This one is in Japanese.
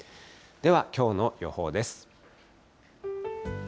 では、きょうの予報です。